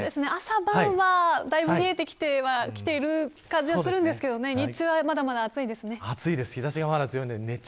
朝晩は、だいぶ冷えてきてはいる感じがするんですが日中はまだまだ暑いですね。